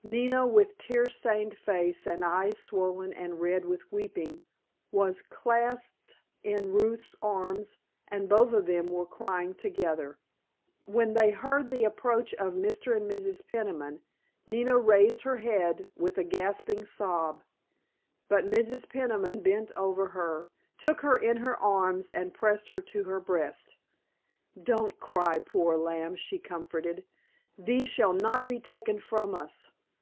Nina, with tear stained face and eyes swollen and red with weeping, was clasped in Ruth's arms, and both of them were crying together. When they heard the approach of Mr. and Mrs. Peniman Nina raised her head with a gasping sob, but Mrs. Peniman bent over her, took her in her arms and pressed her to her breast. "Don't cry, poor lamb," she comforted, "thee shall not be taken from us.